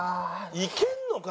いけるのか？